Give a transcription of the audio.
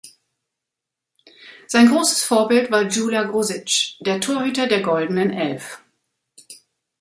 Sein großes Vorbild war Gyula Grosics, der Torhüter der Goldenen Elf.